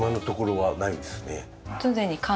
はい。